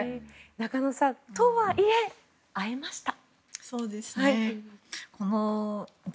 中野さんとはいえ会えました。